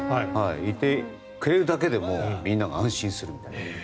いてくれるだけでみんなが安心するみたいな。